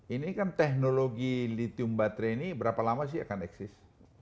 ini kan teknologi lithium baterai ini berapa lama sih akan eksis